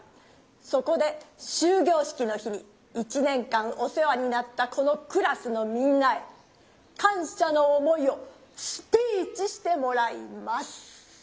そこで終業式の日に１年間おせわになったこのクラスのみんなへかんしゃの思いをスピーチしてもらいます。